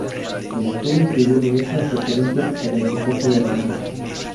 El autor incluyó diversas referencias a "Don Quijote de la Mancha".